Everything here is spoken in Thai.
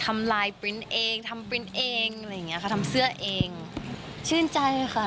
ทำลายปรินท์เองทำซื้อเองชื่นใจเลยค่ะ